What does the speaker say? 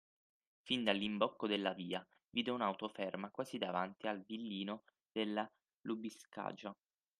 Fin dall'imbocco della via, vide un'auto ferma quasi davanti al villino della Lubiskaja;